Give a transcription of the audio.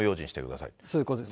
そういうことです。